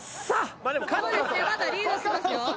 まだリードしてますよ。